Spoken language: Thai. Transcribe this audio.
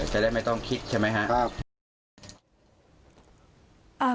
จะได้ไม่ต้องคิดใช่ไหมครับ